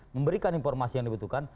memberikan informasi yang dibutuhkan